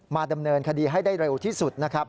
ดำเนินคดีให้ได้เร็วที่สุดนะครับ